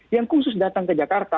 yang khusus datang ke jakarta